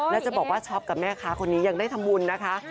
แล้วจะบอกว่าช็อปกับแม่ค้าคนนี้ยังได้ทำบุญนะคะ